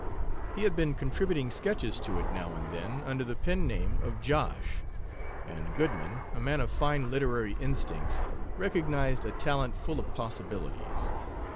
He had been contributing sketches to it now and then, under the pen, name of "Josh," and Goodman, a man of fine literary instincts, recognized a talent full of possibilities.